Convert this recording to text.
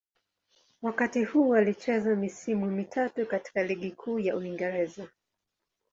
Wakati huu alicheza misimu mitatu katika Ligi Kuu ya Uingereza.